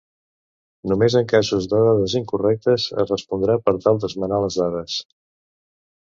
Només en casos de dades incorrectes es respondrà per tal d'esmenar les dades.